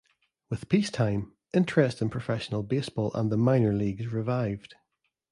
With peacetime, interest in professional baseball and the minor leagues revived.